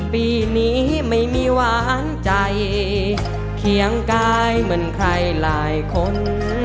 ปีนี้ไม่มีหวานใจเคียงกายเหมือนใครหลายคน